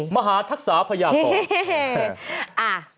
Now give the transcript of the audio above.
มหาทักษาพญากร